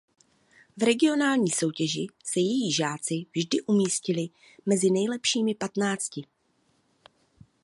V regionální soutěži se její žáci vždy umístili mezi nejlepšími patnácti.